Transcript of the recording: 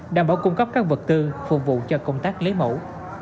đảm bảo cung cấp các vật tư phục vụ cho công tác lấy mẫu